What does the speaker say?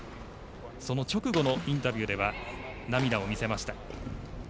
その直後のインタビューでは涙を見せました。